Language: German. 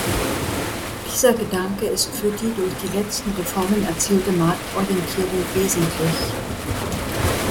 Dieser Gedanke ist für die durch die letzten Reformen erzielte Marktorientierung wesentlich.